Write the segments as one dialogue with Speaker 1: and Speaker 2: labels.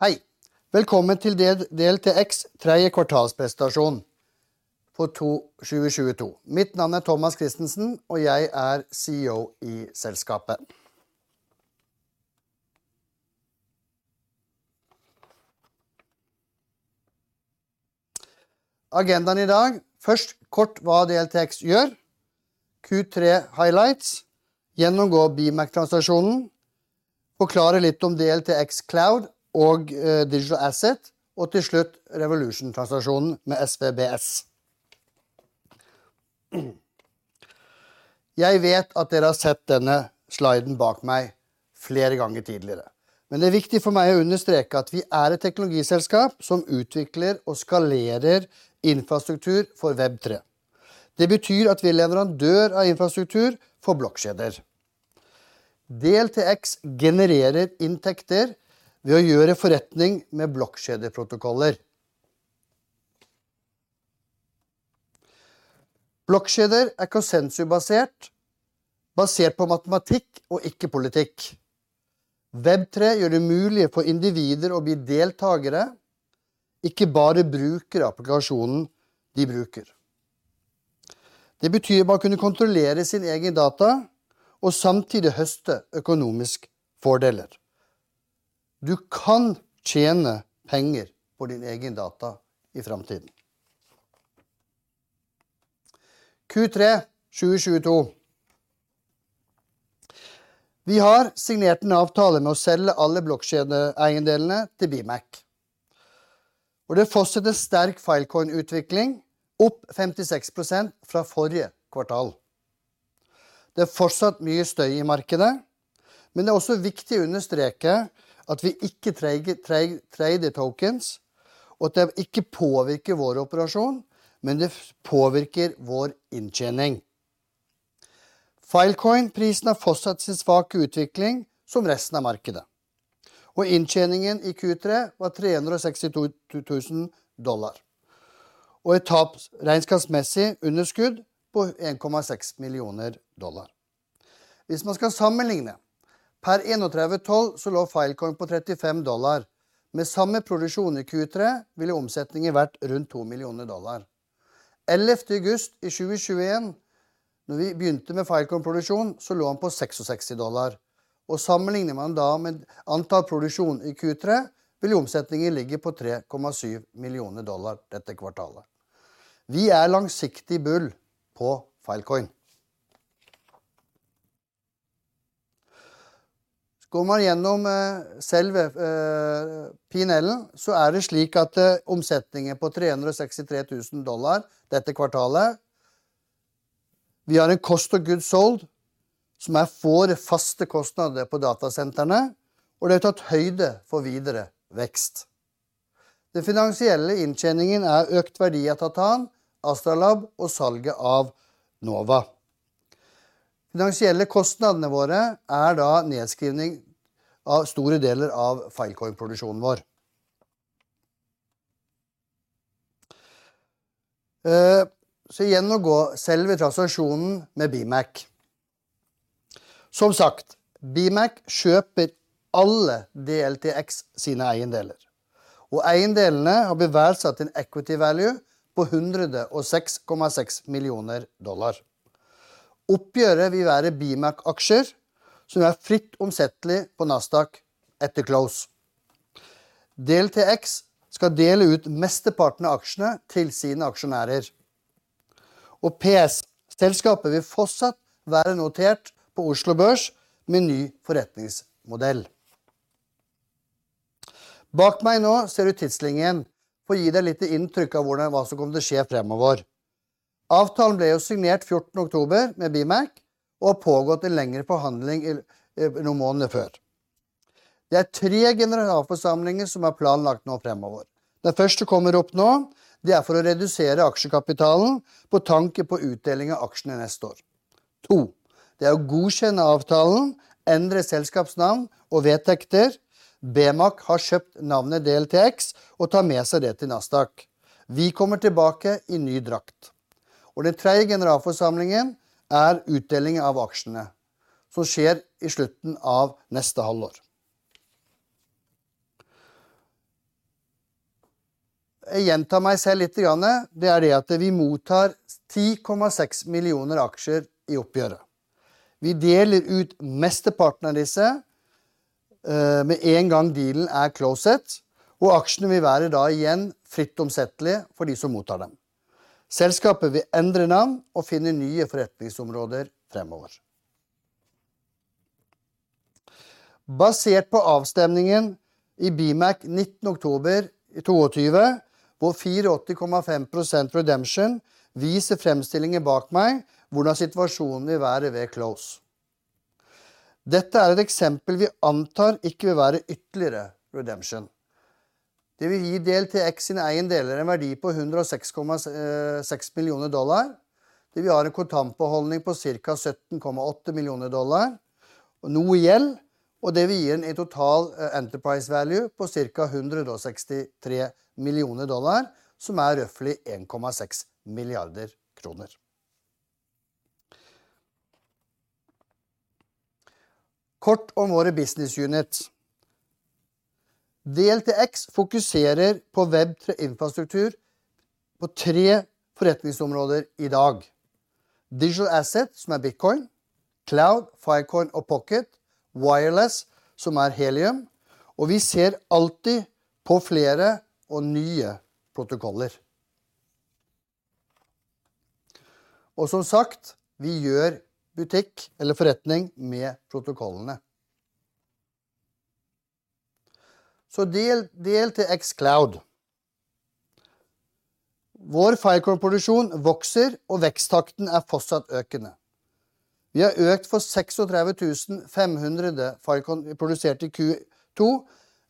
Speaker 1: Hei! Welcome to DLTx third quarter presentation for 2022. My name is Thomas Christensen, and I am CEO of the company. The agenda today. First, briefly what DLTx does. Q3 highlights. Review the BMEC transaction. Explain a bit about DLTx Cloud and Digital Asset. Finally, the Revolution transaction with SVBS. I know you have seen this slide behind me several times before, but it is important for me to emphasize that we are a technology company that develops and scales infrastructure for Web3. That means that we are a provider of infrastructure for blockchains. DLTx generates revenue by doing business with blockchain protocols. Blockchains are consensus-based based on mathematics and not politics. Web3 makes it possible for individuals to become participants, not just users of the application they use. That means being able to control their own data and at the same time reap economic benefits. Du kan tjene penger på din egen data i framtiden. Q3 2022. Vi har signert en avtale med å selge alle blokkjede eiendelene til BMEC. Det fortsetter sterk Filecoin-utvikling, opp 56% fra forrige kvartal. Det er fortsatt mye støy i markedet, men det er også viktig å understreke at vi ikke trader tokens, og at det ikke påvirker vår operasjon, men det påvirker vår inntjening. Filecoin prisen har fortsatt sin svake utvikling som resten av markedet, inntjeningen i Q3 var $360,000 og et tapsregnskapsmessig underskudd på $1.6 million. Hvis man skal sammenligne per 31/12 så lå Filecoin på $35. Med samme produksjon i Q3 ville omsetningen vært rundt $2 million. 11. august i 2021 da vi begynte med Filecoin produksjon så lå han på $66, og sammenligner man da med antall produksjon i Q3, vil omsetningen ligge på $3.7 million dette kvartalet. Vi er langsiktig bull på Filecoin. Går man gjennom selve PNL så er det slik at omsetningen på $363,000 dette kvartalet. Vi har en cost of goods sold som er får faste kostnader på datasentrene, og det er tatt høyde for videre vekst. Den finansielle inntjeningen er økt verdi av Titan, Astra Lab og salget av Nova. Finansielle kostnadene våre er da nedskrivning av store deler av Filecoin produksjonen vår. Gjennomgå selve transaksjonen med BMEC. Som sagt, BMEC kjøper alle DLTx sine eiendeler, og eiendelene har blitt verdsatt en equity value på $106.6 million. Oppgjøret vil være BMEC aksjer som er fritt omsettelig på Nasdaq etter close. DLTx skal dele ut mesteparten av aksjene til sine aksjonærer. PS. Selskapet vil fortsatt være notert på Oslo Børs med ny forretningsmodell. Bak meg nå ser du tidslinjen. For å gi deg litt inntrykk av hvordan hva som kommer til å skje fremover. Avtalen ble jo signert 14th October med BMEC og har pågått en lengre forhandling i noen måneder før. Det er tre generalforsamlinger som er planlagt nå fremover. Det første kommer opp nå. Det er for å redusere aksjekapitalen med tanke på utdeling av aksjene neste år. 2. Det er å godkjenne avtalen, endre selskapsnavn og vedtekter. BMEC har kjøpt navnet DLTx og tar med seg det til Nasdaq. Vi kommer tilbake i ny drakt, og den tredje generalforsamlingen er utdeling av aksjene som skjer i slutten av neste halvår. Jeg gjentar meg selv littegranne. Det er det at vi mottar 10.6 million aksjer i oppgjøret. Vi deler ut mesteparten av disse, med en gang dealen er closed, og aksjene vil være da igjen fritt omsettelige for de som mottar dem. Selskapet vil endre navn og finne nye forretningsområder fremover. Basert på avstemningen i BMEC October 19, 2022, hvor 84.5% redemption viser fremstillingen bak meg hvordan situasjonen vil være ved close. Dette er et eksempel vi antar ikke vil være ytterligere redemption. Det vil gi DLTx sine eiendeler en verdi på $106.6 million. De vil ha en kontantbeholdning på cirka $17.8 million og noe gjeld. Det vil gi en total enterprise value på cirka $163 million, som er roughly NOK 1.6 billion. Kort om våre business units. DLTX fokuserer på web infrastruktur på 3 forretningsområder i dag. Digital Asset, som er Bitcoin, Cloud, Filecoin og Pocket, Wireless, som er Helium, vi ser alltid på flere og nye protokoller. Som sagt, vi gjør butikk eller forretning med protokollene. DLTX Cloud. Vår Filecoin produksjon vokser og veksttakten er fortsatt økende. Vi har økt fra 36,500 Filecoin vi produserte i Q2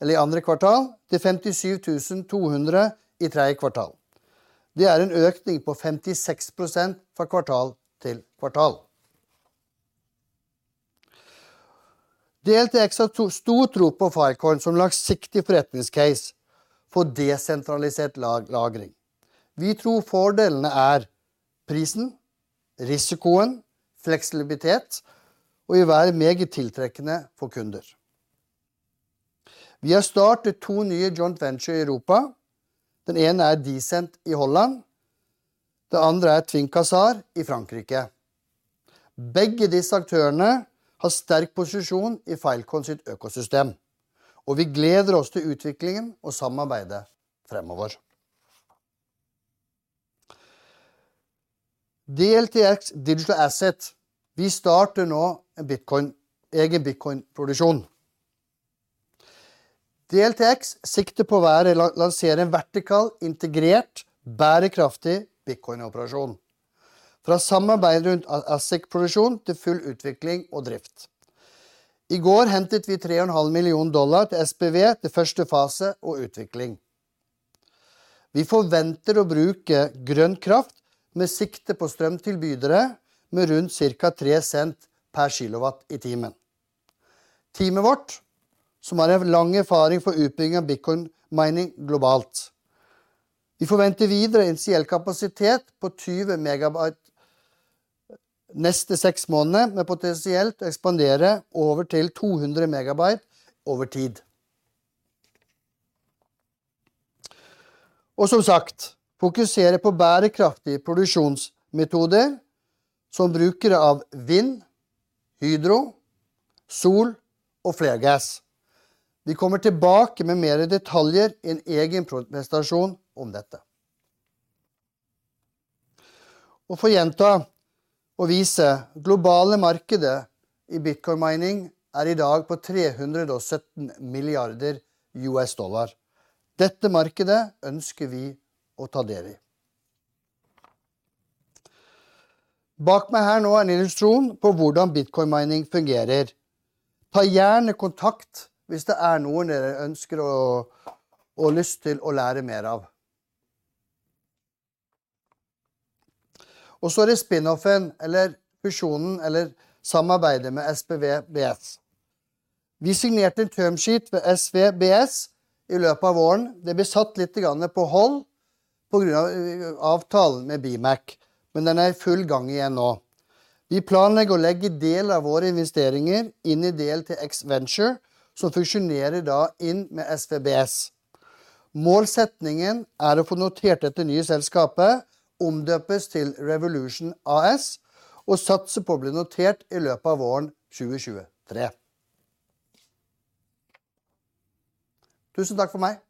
Speaker 1: eller i andre kvartal til 57,200 i tredje kvartal. Det er en økning på 56% fra kvartal til kvartal. DLTX har stor tro på Filecoin som langsiktig forretningscase for desentralisert lagring. Vi tror fordelene er prisen, risikoen, fleksibilitet og vil være meget tiltrekkende for kunder. Vi har startet 2 nye joint venture i Europa. Den ene er Dcent i Holland. Det andre er Twink Caesar i Frankrike. Begge disse aktørene har sterk posisjon i Filecoin sitt økosystem, og vi gleder oss til utviklingen og samarbeidet fremover. DLTx Digital Asset. Vi starter nå en Bitcoin, egen Bitcoin produksjon. DLTx sikter på å lansere en vertikal, integrert, bærekraftig Bitcoin operasjon. Fra samarbeidet rundt ASIC produksjon til full utvikling og drift. I går hentet vi $3.5 million til SPV til first phase og utvikling. Vi forventer å bruke grønn kraft med sikte på strømtilbydere med rundt cirka 3 cents per kilowatt i timen. Teamet vårt, som har lang erfaring fra utbygging av Bitcoin mining globalt. Vi forventer videre en potensiell kapasitet på 20 megabytes neste six months, med potensielt å ekspandere over til 200 megabytes over tid. Som sagt, fokuserer på bærekraftig produksjonsmetoder som brukere av vind, hydro, sol og flergass. Vi kommer tilbake med mer detaljer i en egen presentasjon om dette. For å gjenta og vise globale markedet i Bitcoin mining er i dag på $317 billion. Dette markedet ønsker vi å ta del i. Bak meg her nå en illustrasjon på hvordan Bitcoin mining fungerer. Ta gjerne kontakt hvis det er noen dere ønsker å lyst til å lære mer av. Så er det spin offen eller fusjonen eller samarbeidet med SPVB. Vi signerte en term sheet med SPVB i løpet av våren. Det ble satt littegran ne på hold på grunn av avtalen med BIMEC, men den er i full gang igjen nå. Vi planlegger å legge deler av våre investeringer inn i DLTX Venture, som fusjonerer da inn med SPVB. Målsetningen er å få notert dette nye selskapet, omdøpes til Revolution AS, og satser på å bli notert i løpet av våren 2023. Tusen takk for meg!